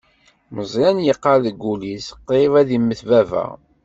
Meẓyan yeqqar deg wul-is: Qrib ad immet baba.